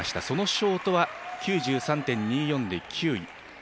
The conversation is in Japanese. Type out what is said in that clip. そのショートは９３．２４で９位。